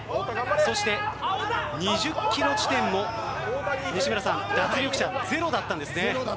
そして２０キロ地点も脱落者ゼロだったんですね。